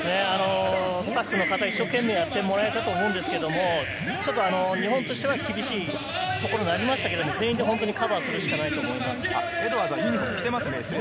スタッフの方に一生懸命、肩をやってもらえたと思うんですけど、日本としては厳しいところになりましたけど、全員でカバーするしかないです。